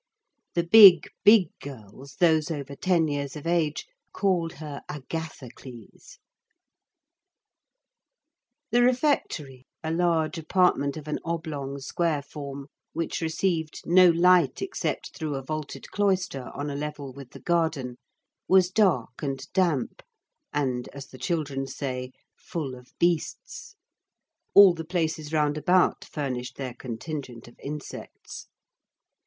The big big girls—those over ten years of age—called her Agathocles. The refectory, a large apartment of an oblong square form, which received no light except through a vaulted cloister on a level with the garden, was dark and damp, and, as the children say, full of beasts. All the places round about furnished their contingent of insects.